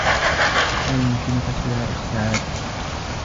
لا يمكنك شراء السعادة.